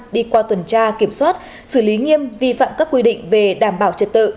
đi qua tuần tra kiểm soát xử lý nghiêm vi phạm các quy định về đảm bảo trật tự